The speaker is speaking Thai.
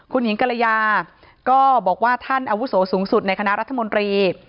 คุณหญิงกรยาก็บอกว่าท่านอาวุโสสูงสุดในคณะรัฐมนตรี